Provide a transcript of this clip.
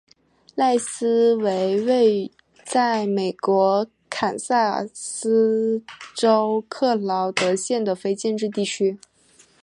赖斯为位在美国堪萨斯州克劳德县的非建制地区。